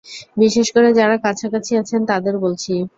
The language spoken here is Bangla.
বিশেষ করে যারা কাছাকাছি আছেন, তাদের বলছি।